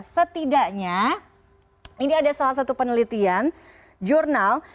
setidaknya ini ada salah satu penelitian jurnal